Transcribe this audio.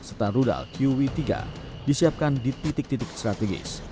serta rudal qv tiga disiapkan di titik titik strategis